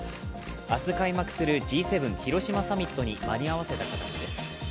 明日開幕するＧ７広島サミットに間に合わせた形です。